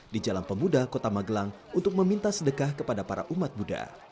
di jalan pemuda kota magelang untuk meminta sedekah kepada para umat buddha